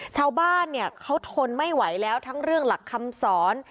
ชาวบ้านเนี่ยเขาทนไม่ไหวแล้วทั้งเรื่องหลักคำสอน